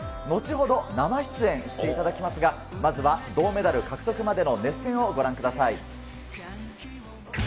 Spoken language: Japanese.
後ほど生出演していただきますが、まずは銅メダル獲得までの熱戦をご覧ください。